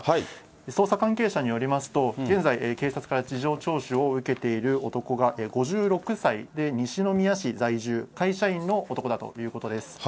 捜査関係者によりますと、現在、警察から事情聴取を受けている男が、５６歳で、西宮市在住、会社員の男だということです。